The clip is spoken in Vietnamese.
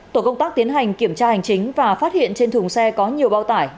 tổ công tác tiến hành kiểm tra hành chính và phát hiện trên thùng xe có nhiều bao tải